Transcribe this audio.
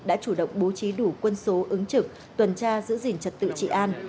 đã chủ động bố trí đủ quân số ứng trực tuần tra giữ gìn trật tự trị an